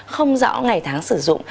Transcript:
không rõ ngày tháng sử dụng